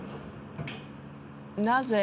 なぜ？